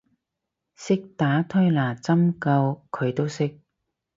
鐵打推拿針灸佢都識